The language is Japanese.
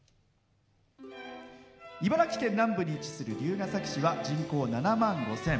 茨城県南部に位置する龍ケ崎市は人口７万５０００。